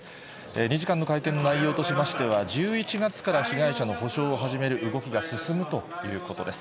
２時間の会見の内容としましては、１１月から被害者の補償を始める動きが進むということです。